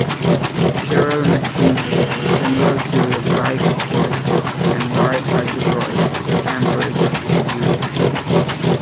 Kirill Mackenzie, "General Theory of Lie Groupoids and Lie Algebroids", Cambridge U.